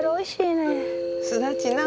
すだちなあ。